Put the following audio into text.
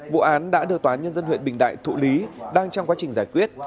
vụ án đã được tòa án nhân dân huyện bình đại thụ lý đang trong quá trình giải quyết